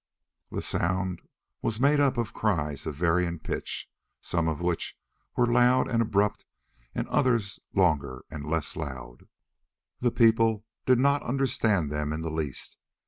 The sound was made up of cries of varying pitch, some of which were loud and abrupt, and others longer and less loud. The people did not understand them in the least.